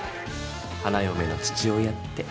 花よめの父親って。